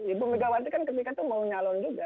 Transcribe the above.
ibu megawati kan ketika itu mau nyalon juga